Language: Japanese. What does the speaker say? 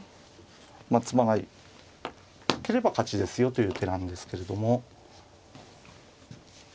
まあ詰まなければ勝ちですよという手なんですけれども。